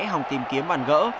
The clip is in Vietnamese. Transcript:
hòng tìm kiếm bàn gỡ